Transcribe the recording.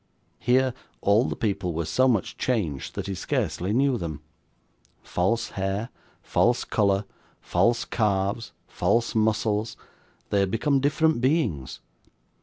Here all the people were so much changed, that he scarcely knew them. False hair, false colour, false calves, false muscles they had become different beings.